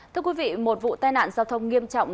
thưa quý vị một vụ tai nạn giao thông nghiêm trọng